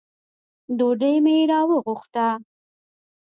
ډوډۍ مي راوغوښته .